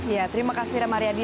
ya terima kasih ramariyadi